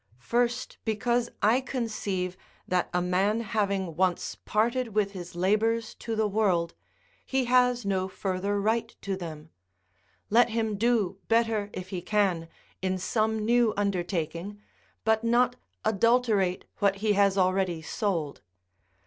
First, because I conceive that a man having once parted with his labours to the world, he has no further right to them; let him do better if he can, in some new undertaking, but not adulterate what he has already sold.